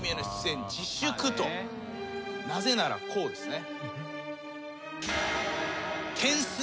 なぜならこうですね。